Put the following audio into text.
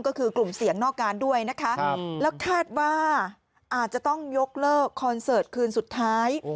ก็คือกลุ่มเสี่ยงนอกการด้วยนะคะแล้วคาดว่าอาจจะต้องยกเลิกคอนเสิร์ตคืนสุดท้าย